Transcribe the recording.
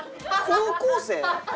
高校生。